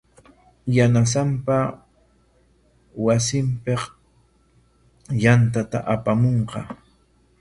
Yanasanpa wasinpik yantata apamunqa.